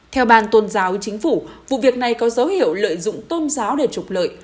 theo ban tôn giáo chính phủ vụ việc này có dấu hiệu lợi dụng tôn giáo để trục lợi